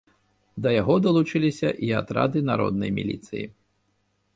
Да яго далучыліся і атрады народнай міліцыі.